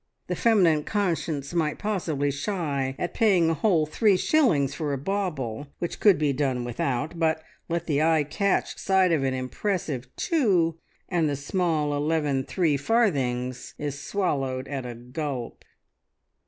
The feminine conscience might possibly shy at paying a whole three shillings for a bauble which could be done without, but, let the eye catch sight of an impressive Two, and the small eleven three farthings is swallowed at a gulp!